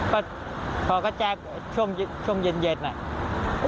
ก็พอก็แจ้งช่วงเย็นน่ะ